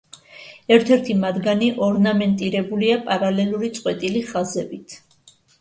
ერთ-ერთი მათგანი ორნამენტირებულია პარალელური წყვეტილი ხაზებით.